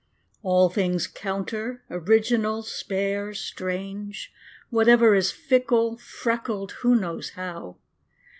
All things counter, original, spare, strange; Whatever is fickle, freckled (who knows how?)